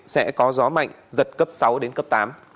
sẽ có gió mạnh giật cấp sáu đến cấp tám